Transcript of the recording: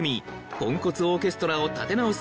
ポンコツオーケストラを立て直す